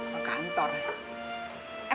mau kantor be